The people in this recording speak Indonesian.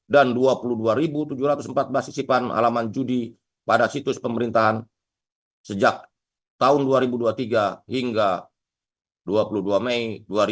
dan dua puluh dua tujuh ratus empat belas sisipan halaman judi pada situs pemerintahan sejak tahun dua ribu dua puluh tiga hingga dua puluh dua mei dua ribu dua puluh empat